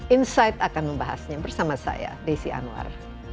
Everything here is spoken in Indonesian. insight akan membahasnya bersama saya desi anwar